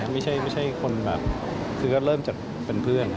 ไม่ใช่คนแบบคือก็เริ่มจากเป็นเพื่อน